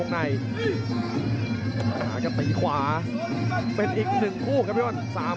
ำหากับตีขวาเป็นอีก๑คู่ครับพี่วัล